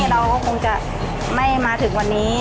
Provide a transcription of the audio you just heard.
เราก็คงจะไม่มาถึงวันนี้